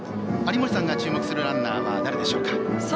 有森さんが注目するランナーは誰でしょうか？